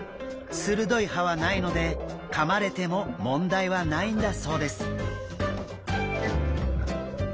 鋭い歯はないのでかまれても問題はないんだそうです。